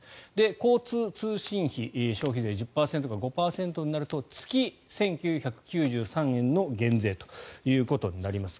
交通・通信費消費税１０％から５％になると月１９９３円の減税ということになります。